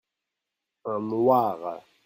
un noir.